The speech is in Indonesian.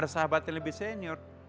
sahabat yang lebih senior